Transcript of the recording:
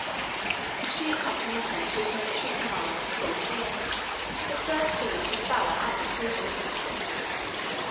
She accompanied him to his military command of Cilicia, the first scene of his valor and imprudence.